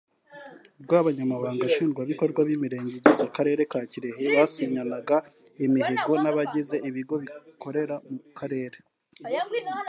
ubwo Abanyamabanga Nshingwabikorwa b’Imirenge igize Akarere ka Kirehe basinyanaga imihigo n’abagize ibigo bikorera mu Karere